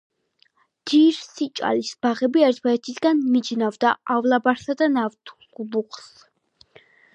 დირსიჭალის ბაღები ერთმანეთისგან მიჯნავდა ავლაბარსა და ნავთლუღს.